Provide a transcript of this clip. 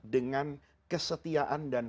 dengan kesetiaan dan